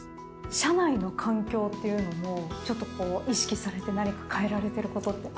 社内の環境っていうのもちょっとこう意識されて何か変えられてることってあるんですか？